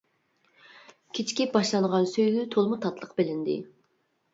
كېچىكىپ باشلانغان سۆيگۈ تولىمۇ تاتلىق بىلىندى.